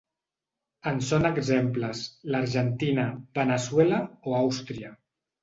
En són exemples l’Argentina, Veneçuela o Àustria.